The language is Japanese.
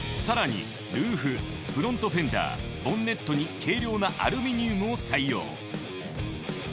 更にルーフフロントフェンダーボンネットに軽量なアルミニウムを採用。